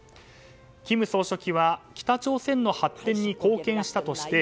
金総書記は北朝鮮の発展に貢献したとして